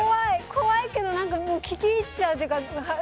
怖いけど何か聞き入っちゃうというか。